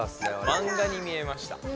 マンガに見えました。